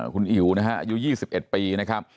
คุณอิ๋วนะฮะอายุ๒๑ปีนะครับ